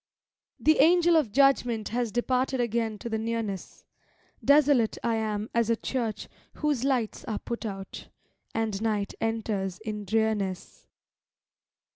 The Angel of Judgment has departed again to the Nearness. Desolate I am as a church whose lights are put out. And night enters in drearness.